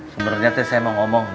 sebenarnya saya mau ngomong